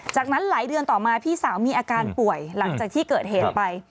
จากนั้นหลายเดือนต่อมาพี่สาวมีอาการป่วยหลังจากที่เกิดเหตุไป